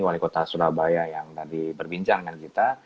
wali kota surabaya yang tadi berbincang dengan kita